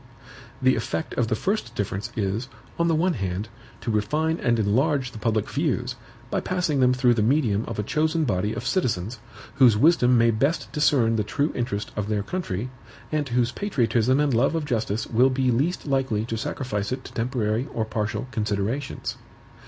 The effect of the first difference is, on the one hand, to refine and enlarge the public views, by passing them through the medium of a chosen body of citizens, whose wisdom may best discern the true interest of their country, and whose patriotism and love of justice will be least likely to sacrifice it to temporary or partial considerations.